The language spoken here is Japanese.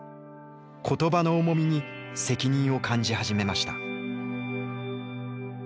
言葉の重みに責任を感じ始めました。